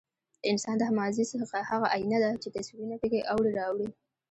د انسان د ماضي هغه ایینه ده، چې تصویرونه پکې اوړي را اوړي.